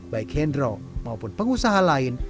baik hendro maupun pengusaha lain